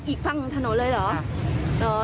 อีกฝั่งของถนนเลยเหรอ